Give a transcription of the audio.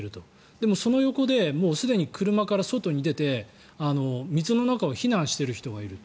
でもその横でもうすでに車から外に出て水の中を避難している人がいる。